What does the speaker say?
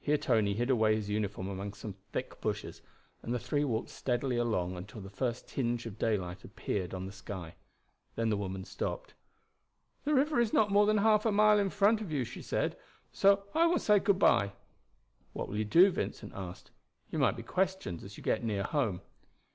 Here Tony hid away his uniform among some thick bushes, and the three walked steadily along until the first tinge of daylight appeared on the sky. Then the woman stopped. "The river is not more than half a mile in front of you," she said; "so I will say good by." "What will you do?" Vincent asked. "You might be questioned as you get near home."